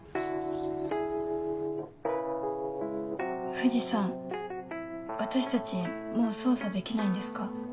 藤さん私たちもう捜査できないんですか？